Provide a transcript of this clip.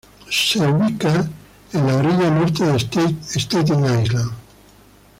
Se ubica en la orilla norte de Staten Island.